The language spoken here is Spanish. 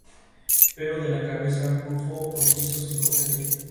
Pelo de la cabeza rufo rojizo sin copete.